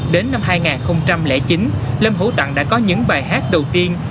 đến năm hai nghìn chín lâm hữu tặng đã có những bài hát đầu tiên